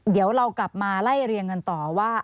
เดี๋ยวเรากลับมาไล่เรียงกันต่อว่า